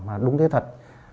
mà đúng thế thật